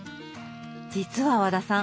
実は和田さん